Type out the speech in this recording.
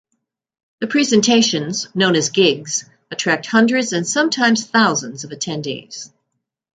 The presentations, known as "gigs", attract hundreds and sometimes thousands of attendees.